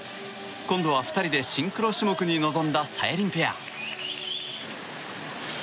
今度は２人でシンクロ種目に臨んだ、さやりんペア。